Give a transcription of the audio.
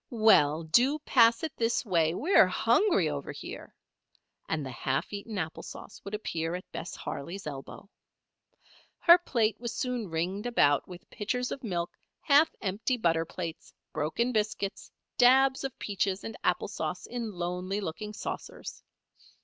Well do pass it this way, we're hungry over here," and the half eaten apple sauce would appear at Bess Harley's elbow. Her plate was soon ringed about with pitchers of milk, half empty butter plates, broken biscuits, dabs of peaches and apple sauce in lonely looking saucers.